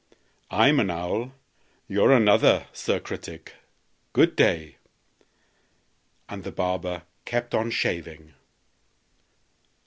I'm an owl; you're another. Sir Critic, good day!" And the barber kept on shaving.